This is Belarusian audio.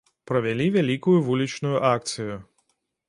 Правялі вялікую вулічную акцыю.